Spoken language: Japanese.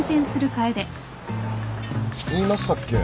言いましたっけ？